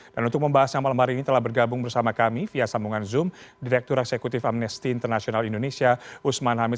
dan untuk membahas yang malam hari ini telah bergabung bersama kami via sambungan zoom direktur eksekutif amnesti internasional indonesia usman hamid